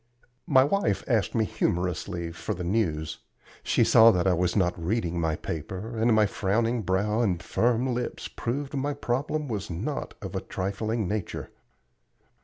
My wife asked me humorously for the news. She saw that I was not reading my paper, and my frowning brow and firm lips proved my problem was not of a trifling nature.